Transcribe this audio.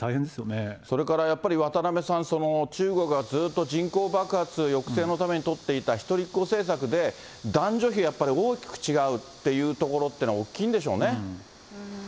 それからやっぱり、渡辺さん、中国は人口爆発抑制のために取っていた一人っ子政策で、男女比、大きく違うっていうところは、大きいんでしょうね。